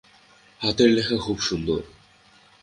হাতের লেখা খুব সুন্দর।